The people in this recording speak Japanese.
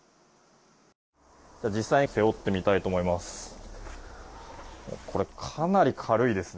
実際に背負ってみたいと思います。